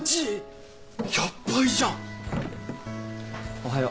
おはよう。